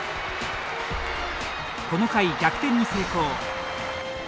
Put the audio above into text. この回逆転に成功。